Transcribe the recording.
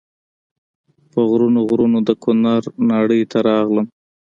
په غرونو غرونو د کونړ ناړۍ ته راغلم.